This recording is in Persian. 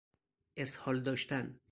اسهال داشتن